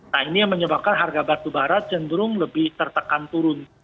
nah ini yang menyebabkan harga batubara cenderung lebih tertekan turun